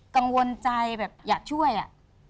กังวลใจแบบอยากช่วยอ่ะ